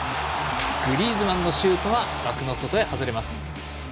グリーズマンのシュートは枠の外へ外れます。